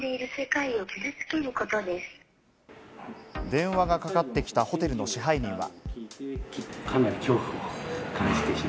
電話がかかってきたホテルの支配人は。